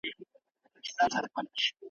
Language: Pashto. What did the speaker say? توري چي غاړي پرې کوي دوست او دښمن نه لري ,